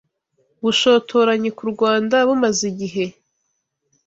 bushotoranyi ku Rwanda bumaze igihe